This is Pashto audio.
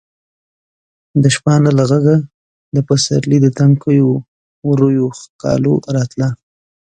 د شپانه له غږه د پسرلي د تنکیو ورویو ښکالو راتله.